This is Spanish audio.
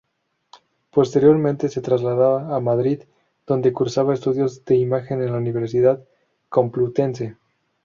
Posteriormente se traslada a Madrid, donde cursa estudios de Imagen en la Universidad Complutense.